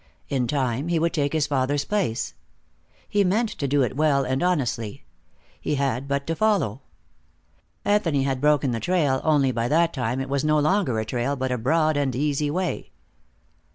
In time, he would take his father's place. He meant to do it well and honestly. He had but to follow. Anthony had broken the trail, only by that time it was no longer a trail, but a broad and easy way.